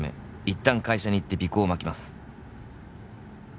「いったん会社に行って尾行をまきます」